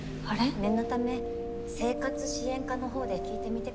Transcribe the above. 念のため生活支援課のほうで聞いてみて下さい。